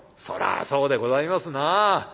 「そらあそうでございますなあ。